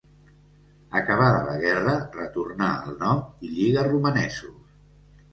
Acabada la guerra retornà al nom i lliga romanesos.